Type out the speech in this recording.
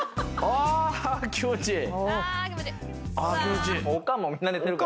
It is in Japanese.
ああ気持ちいい。